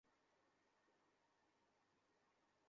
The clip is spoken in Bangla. ভাই, তাকে হত্যা করার সময় চিৎকার করতে পারে?